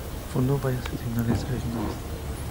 Fundó varias seccionales regionales.